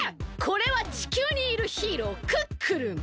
これは地球にいるヒーロークックルン。